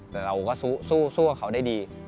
แต่เราก็สู้กับเขาได้ดี